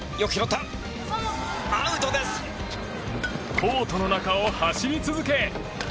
コートの中を走り続け